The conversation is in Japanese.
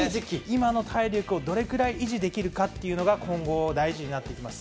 今の体力をどれくらい維持できるかというのが、今後、大事になってきます。